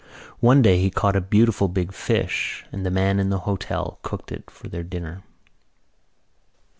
One day he caught a beautiful big fish and the man in the hotel cooked it for their dinner.